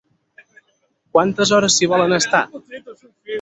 ¿quantes hores s'hi volen estar?